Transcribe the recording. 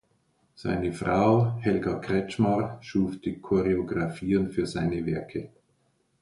Seine Frau, Helga Kretzschmar, schuf die Choreografien für seine Werke.